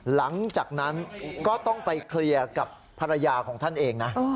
หลังจากนั้นก็ต้องไปเคลียร์กับภรรยาของท่านเองนะ